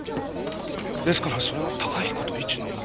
ですからそれは崇彦と市野の。